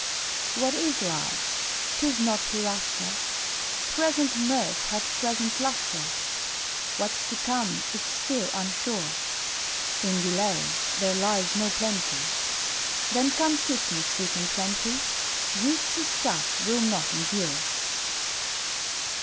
What is love? 'tis not hereafter; Present mirth hath present laughter; What's to come is still unsure: In delay there lies no plenty, Then come kiss me, Sweet and twenty, Youth's a stuff will not endure.